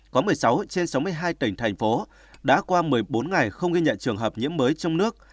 có một mươi sáu trên sáu mươi hai tỉnh thành phố đã qua một mươi bốn ngày không ghi nhận trường hợp nhiễm mới trong nước